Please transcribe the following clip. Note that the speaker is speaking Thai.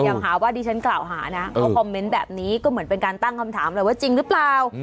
ยังหาว่าดิฉันกล่าวหานะเขาคอมเมนต์แบบนี้ก็เหมือนเป็นการตั้งคำถามแหละว่าจริงหรือเปล่า